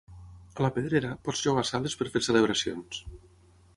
A la Pedrera, pots llogar sales per fer celebracions.